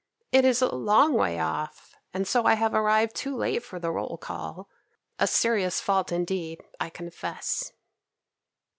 It is a long way off, and so I have arrived too late for the roll call, a serious fault indeed, I confess."